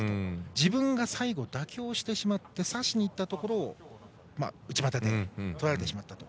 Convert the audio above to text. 自分が最後、妥協してしまってさしにいったところを内股でとられてしまったと。